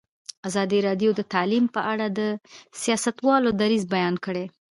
ازادي راډیو د تعلیم په اړه د سیاستوالو دریځ بیان کړی.